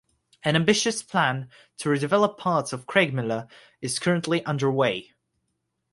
An ambitious plan to re-develop parts of Craigmillar is currently underway.